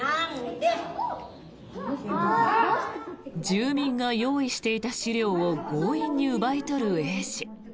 住民が用意していた資料を強引に奪い取るＡ氏。